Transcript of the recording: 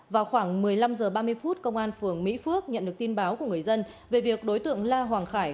vào khoảng một mươi năm h ba mươi phút công an phường mỹ phước nhận được tin báo của người dân về việc đối tượng la hoàng khải